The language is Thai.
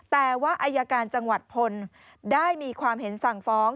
แต่ว่าอายการจังหวัดพลได้มีความเห็นสั่งฟ้อง